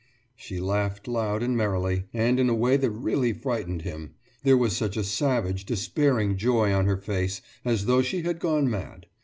« She laughed, loud and merrily and in a way that really frightened him, there was such a savage, despairing joy on her face, as though she had gone mad.